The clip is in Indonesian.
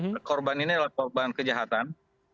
karena korban ini adalah korban kejahatan